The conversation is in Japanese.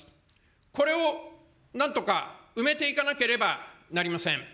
これをなんとか埋めていかなければなりません。